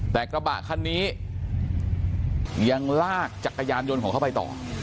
แต่กระบะคันนี้ยังลากจักรยานยนต์ของเขาไปต่อ